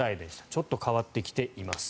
ちょっと変わってきています。